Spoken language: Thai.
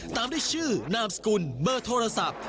ตามด้วยชื่อนามสกุลเบอร์โทรศัพท์